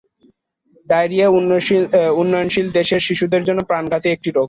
Diarrhoea উন্নয়নশীল দেশের শিশুদের জন্য প্রাণঘাতী একটি রোগ।